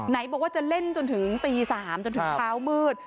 ไหนบอกว่าจะเล่นจนถึงตี๓จนถึงเช้ามืด